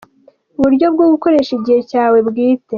Uburyo bwo gukoresha igihe cyawe bwite.